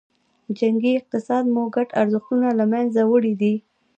جنګي اقتصاد مو ګډ ارزښتونه له منځه وړي دي.